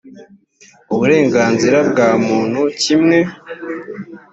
uburenganzira bwa muntu kimwe